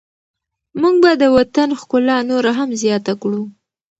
موږ به د وطن ښکلا نوره هم زیاته کړو.